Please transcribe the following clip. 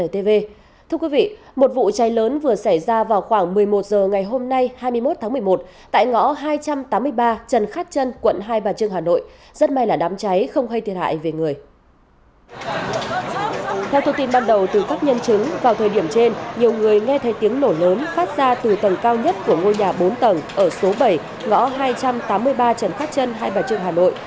theo thông tin ban đầu từ các nhân chứng vào thời điểm trên nhiều người nghe thấy tiếng nổ lớn phát ra từ tầng cao nhất của ngôi nhà bốn tầng ở số bảy ngõ hai trăm tám mươi ba trần khát trân hai bà trường hà nội